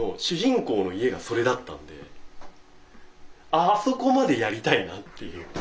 あそこまでやりたいなっていう。